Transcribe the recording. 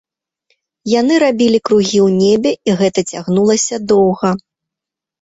Яны рабілі кругі ў небе, і гэта цягнулася доўга.